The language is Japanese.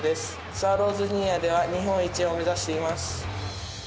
スワローズジュニアでは日本一を目指しています。